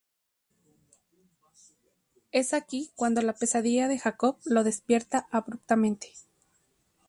Es aquí cuando la pesadilla de Jacob lo despierta abruptamente.